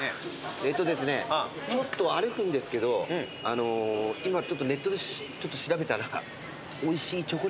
えっとですねちょっと歩くんですけど今ちょっとネットで調べたら。